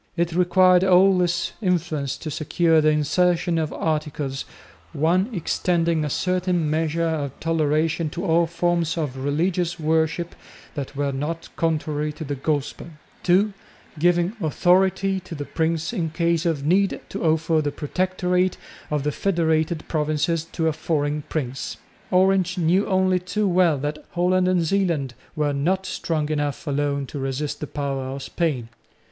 It required all his influence to secure the insertion of articles (1) extending a certain measure of toleration to all forms of religious worship that were not contrary to the Gospel, (2) giving authority to the prince in case of need to offer the Protectorate of the federated provinces to a foreign prince. Orange knew only too well that Holland and Zeeland were not strong enough alone to resist the power of Spain.